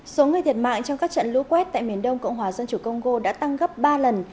số người thiệt mạng trong các trận lũ quét tại miền đông cộng hòa dân chủ congo đã tăng gấp ba lần